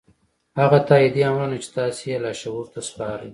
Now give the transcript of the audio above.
هغه تايیدي امرونه چې تاسې یې لاشعور ته سپارئ